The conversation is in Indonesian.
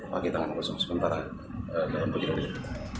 pakai tangan kosong sementara